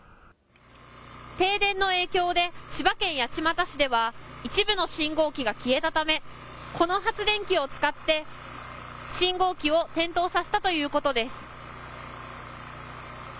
停電の影響で、千葉県八街市では一部の信号機が消えたため、この発電機を使って信号機を点灯させたということです。